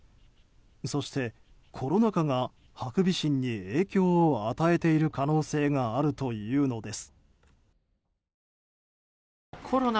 そして、コロナ禍がハクビシンに影響を与えている可能性があるというのです。